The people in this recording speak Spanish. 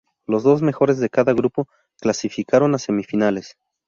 Los dos mejores de cada grupo clasificaron a semifinales.